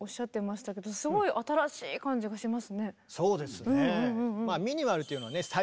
そうですね。